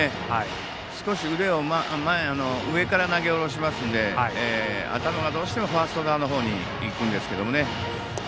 少し腕を上から投げ下ろしますので頭がどうしてもファースト側の方に行くんですよね。